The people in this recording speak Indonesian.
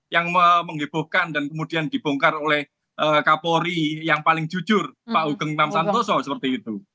yang menghebohkan dan kemudian dibongkar oleh kapolri yang paling jujur pak ugeng enam santoso seperti itu